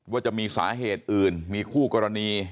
ว่าจะมีสาเหตุอื่นมีคู่กรณี